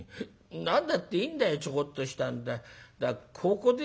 何だっていいんだよちょこっとした香香でいいか。